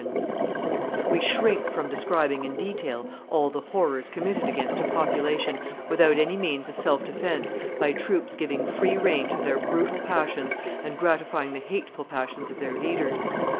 [Illustration: Massacre of the Vaudians 218] We shrink from describing in detail all the horrors committed against a population without any means of self defence by troops giving free rein to their brutal passions and gratifying the hateful passions of their leaders.